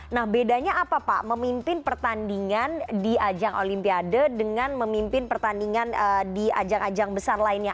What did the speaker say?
nah bedanya apa pak memimpin pertandingan di ajang olimpiade dengan memimpin pertandingan di ajang ajang besar lainnya